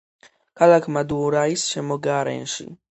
ქალაქ მადურაის შემოგარენში.